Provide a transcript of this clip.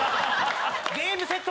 ゲームセット！